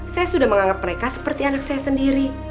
saya sudah menganggap mereka seperti anak saya sendiri